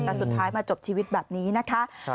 แต่สุดท้ายมาจบชีวิตแบบนี้นะคะ